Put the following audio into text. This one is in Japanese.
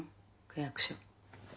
区役所。